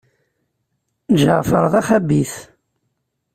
Ǧaɛfeṛ d axabit.